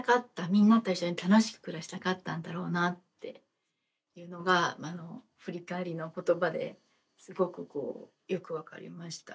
みんなと一緒に楽しく暮らしたかったんだろうなっていうのが振り返りの言葉ですごくよく分かりました。